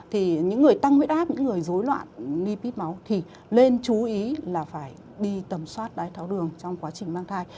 thì những người tăng huyết áp những người dối loạn lipid máu thì lên chú ý là phải đi tầm soát đái thao đường trong quá trình mang thai